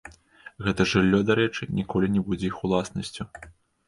Гэта жыллё, дарэчы, ніколі не будзе іх уласнасцю.